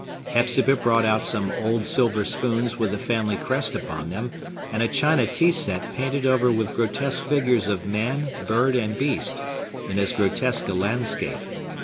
Hepzibah brought out some old silver spoons with the family crest upon them, and a china tea set painted over with grotesque figures of man, bird, and beast, in as grotesque a landscape.